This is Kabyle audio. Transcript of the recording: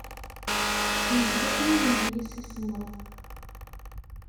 Tessenzeḍ yiwen n yemsismeḍ.